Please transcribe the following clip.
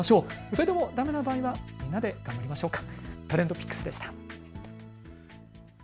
それでもだめな場合はみんなで頑張りましょうか。